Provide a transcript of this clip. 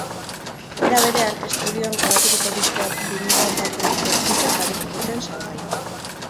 Era berean, estudioan grabaturiko diskoak biniloan batzen dituen kutxa jarri zuten salgai.